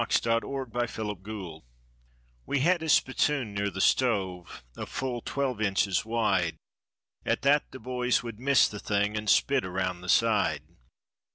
THE OFFICE SPITTOON We had a spittoon near the stove—a full twelve inches wide. At that the boys would miss the thing and spit around the side.